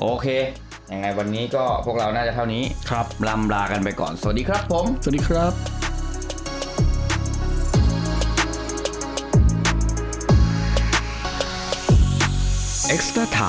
โอเควันนี้พวกเราน่าจะเท่านี้ลำลากันไปก่อนสวัสดีครับผม